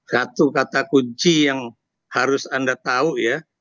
satu kata kunci yang harus anda tahu ya